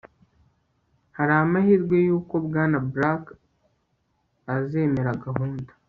hari amahirwe yuko bwana black azemera gahunda